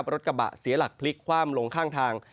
รถกระบะเสียหลักพลิกคว่ำลงข้างทาง